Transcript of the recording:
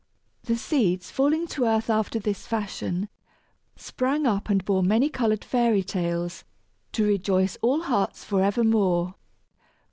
The seeds, falling to earth after this fashion, sprang up and bore many colored fairy tales, to rejoice all hearts for evermore.